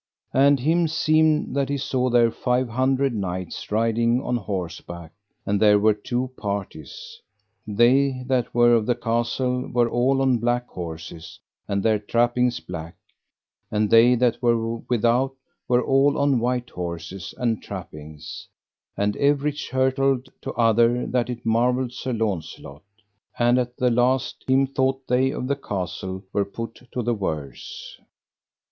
And him seemed that he saw there five hundred knights riding on horseback; and there were two parties: they that were of the castle were all on black horses and their trappings black, and they that were without were all on white horses and trappings, and everych hurtled to other that it marvelled Sir Launcelot. And at the last him thought they of the castle were put to the worse.